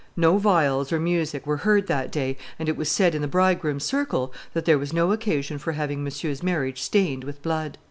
"No viols or music were heard that day and it was said in the bridegroom's circle that there was no occassion for having Monsieur's marriage stained with blood.